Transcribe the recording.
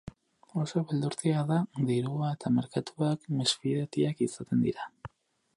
Oso beldurtia da dirua eta merkatuak mesfidatiak izaten dira.